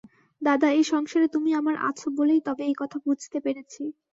দাদা, এ সংসারে তুমি আমার আছ বলেই তবে এ কথা বুঝতে পেরেছি।